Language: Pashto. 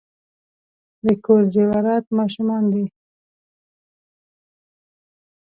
د کور زیورات ماشومان دي .